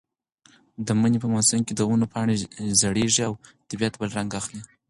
د مني په موسم کې د ونو پاڼې ژېړېږي او طبیعت بل رنګ اخلي.